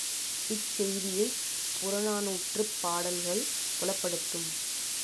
இச்செய்தியைப் புறநானூற்றுப் பாடல்கள் புலப்படுத்தும்.